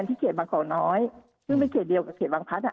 ที่เขตบางกอกน้อยซึ่งเป็นเขตเดียวกับเขตบางพัฒน์อ่ะ